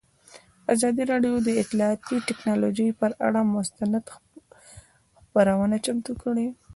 ازادي راډیو د اطلاعاتی تکنالوژي پر اړه مستند خپرونه چمتو کړې.